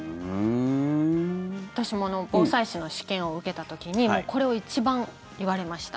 私も防災士の試験を受けた時にこれを一番言われました。